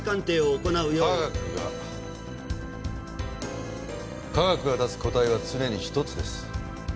科学が科学が出す答えは常に一つです。